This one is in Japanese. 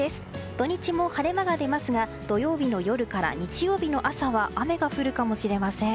土日も晴れ間が出ますが土曜日の夜から日曜日の朝は雨が降るかもしれません。